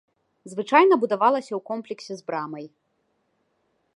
Звычайна будавалася ў комплексе з брамай.